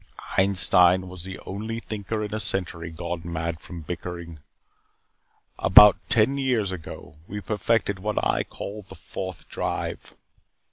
Einstein was the only thinker in a century gone mad from bickering. About ten years ago we perfected what I call The Fourth Drive.